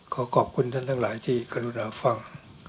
ขอขอบคุณทั้งหลายที่กระดุนอาฟัง